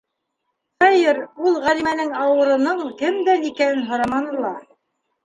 Хәйер, ул Ғәлимәнең ауырының кемдән икәнен һораманы ла.